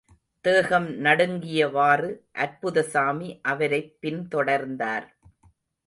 தேகம் நடுங்கியவாறு, அற்புதசாமி அவரைப்பின் தொடர்ந்தார்.